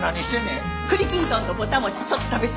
くりきんとんとぼた餅ちょっと食べ過ぎて。